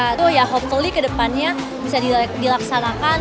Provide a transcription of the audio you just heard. itu ya hopefully kedepannya bisa dilaksanakan